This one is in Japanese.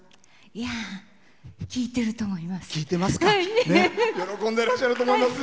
いや聴いてると思います。